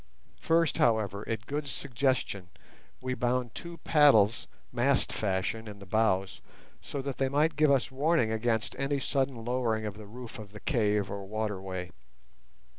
First, however, at Good's suggestion, we bound two paddles mast fashion in the bows so that they might give us warning against any sudden lowering of the roof of the cave or waterway.